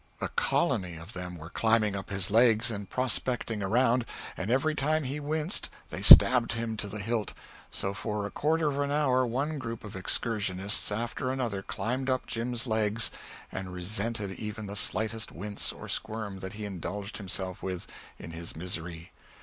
A colony of them were climbing up his legs and prospecting around, and every time he winced they stabbed him to the hilt so for a quarter of an hour one group of excursionists after another climbed up Jim's legs and resented even the slightest wince or squirm that he indulged himself with, in his misery.